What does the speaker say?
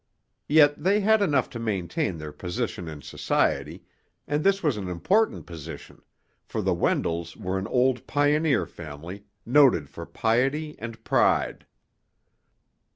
Yet they had enough to maintain their position in society, and this was an important position, for the Wendells were an old pioneer family, noted for piety and pride.